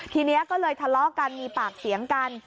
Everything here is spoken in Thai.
ทีนี้ก็เลยทะเลาะกันมีปากเสียงกัน